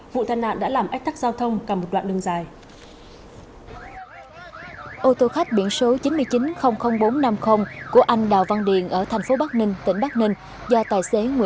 vụ than nạn đã làm ách thắt giao thông cả một đoạn đường dài